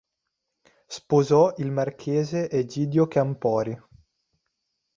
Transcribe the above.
Sposò il marchese Egidio Campori.